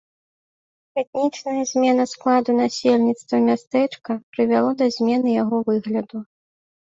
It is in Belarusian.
Этнічная змена складу насельніцтва мястэчка прывяло да змены яго выгляду.